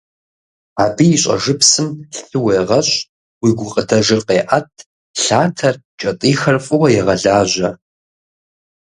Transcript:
Абы и щӏэжыпсым лъы уегъэщӏ, уи гукъыдэжыр къеӏэт, лъатэр, кӏэтӏийхэр фӏыуэ егъэлажьэ.